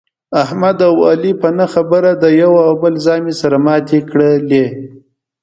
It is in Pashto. احمد او علي په نه خبره د یوه او بل زامې سره ماتې کړلې.